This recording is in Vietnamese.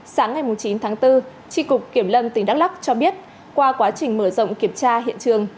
sáng ngày chín tháng bốn tri cục kiểm lâm tỉnh đắk lắc cho biết qua quá trình mở rộng kiểm tra hiện trường